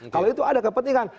kalau itu ada kepentingan